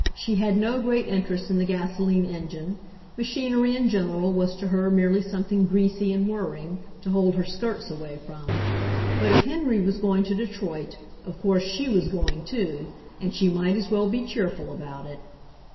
She had no great interest in the gaso line engine — machinery in general was to her merely something greasy and whirring, to hold her skirts away from — but if Henry was going to Detroit, of course she was going, too, and she might as well be cheerful about it.